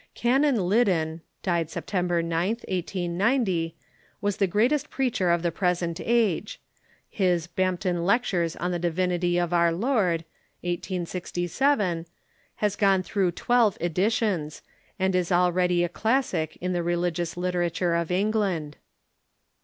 Canon Liddon (died September 9th, 1890) was the greatest preacher of the present age. His "Bampton Lectures on the Divinity of our Lord" (1867) has gone throngh twelve editions, and is already a clas' sic in the religious literature of England.